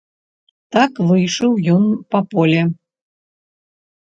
Так выйшаў ён па поле.